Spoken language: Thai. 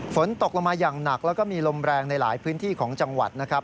ฝนตกลงมาอย่างหนักแล้วก็มีลมแรงในหลายพื้นที่ของจังหวัดนะครับ